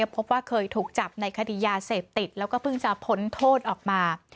พบว่าเคยถูกจับในคดียาเสพติดแล้วก็เพิ่งจะพ้นโทษออกมา